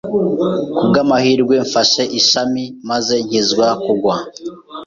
Ku bw'amahirwe, mfashe ishami maze nkizwa kugwa.